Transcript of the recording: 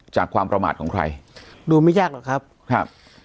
ความประมาทของใครดูไม่ยากหรอกครับครับ